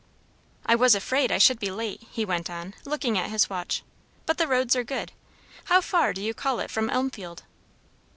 "I was afraid I should be late," he went on, looking at his watch, "but the roads are good. How far do you call it from Elmfield?"